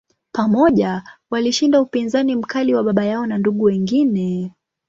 Pamoja, walishinda upinzani mkali wa baba yao na ndugu wengine.